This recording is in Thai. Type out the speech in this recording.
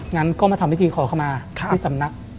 งั้นก็มาทำพิธีขอเข้ามาที่สำนัก